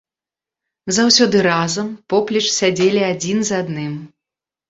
Заўсёды разам, поплеч сядзелі адзін з адным.